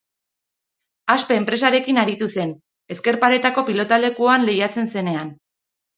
Aspe enpresarekin aritu zen, ezker paretako pilotalekuetan lehiatzen zenean.